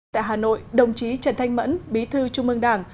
tại hà nội đồng chí trần thanh mẫn bí thư trung mương đảng